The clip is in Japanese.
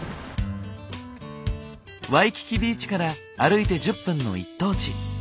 ワイキキビーチから歩いて１０分の一等地。